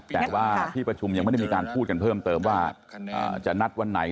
แต่ว่าที่ประชุมยังไม่ได้มีการพูดกันเพิ่มเติมว่าจะนัดวันไหน